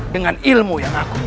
dengan ilmu yang aku